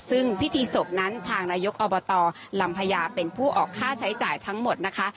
ซึ่งพิธีศพนั้นทางนายกอบตลำพญาเป็นผู้ออกค่าใช้จ่ายทั้งหมดนะคะ